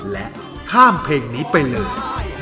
และข้ามเพลงนี้ไปเลย